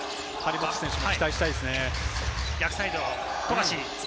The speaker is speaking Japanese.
張本選手にも期待したいですね。